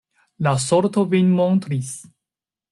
La sorto vin montris.